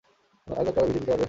আর কয়েকটা ভিজিয়ে দিতে পারবে?